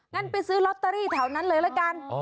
งั้นไปซื้อลอตเตอรี่แถวนั้นเลยละกัน